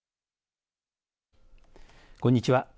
こんにちは。